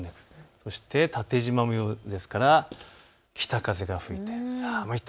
そして縦じま模様ですから北風が吹いて寒いと。